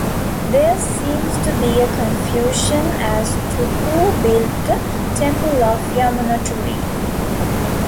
There seems to be a confusion as to who built the temple of Yamunotri.